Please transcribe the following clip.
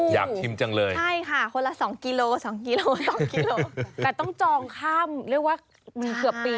อยากชิมจังเลยใช่ค่ะคนละ๒กิโล๒กิโล๒กิโลแต่ต้องจองข้ามเรียกว่าเกือบปี